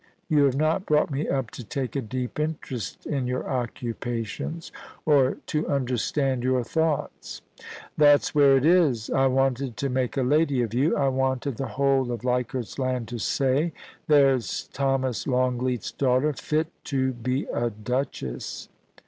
You have not brought me up to take a deep interest in your occupations, or to understand your thoughts.' * That's where it is : I wanted to make a lady of you ; I wanted the whole of Leichardt's Land to say, "There's Thomas Longleat's daughter — fit to be a duchess."